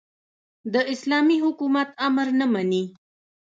د اسلامي حکومت امر نه مني.